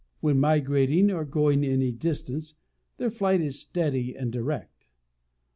When migrating or going any distance their flight is steady and direct.